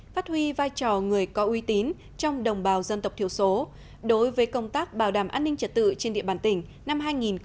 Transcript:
phát huy vai trò người có uy tín trong đồng bào dân tộc thiểu số đối với công tác bảo đảm an ninh trật tự trên địa bàn tỉnh năm hai nghìn một mươi chín